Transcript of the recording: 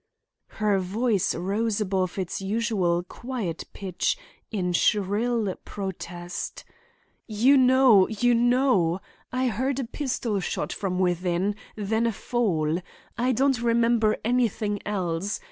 Her voice rose above its usual quiet pitch in shrill protest: "You know! you know! I heard a pistol shot from within, then a fall. I don't remember anything else.